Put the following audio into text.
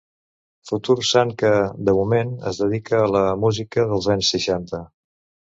Futur sant que, de moment, es dedica a la música dels anys seixanta.